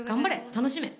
楽しめ！